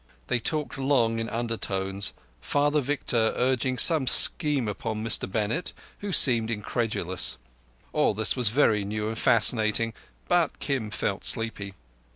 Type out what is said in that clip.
They talked long in undertones, Father Victor urging some scheme on Mr Bennett, who seemed incredulous. All this was very new and fascinating, but Kim felt sleepy.